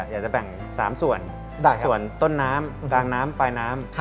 อยากจะแบ่ง๓ส่วนส่วนต้นน้ำกลางน้ำปลายน้ำ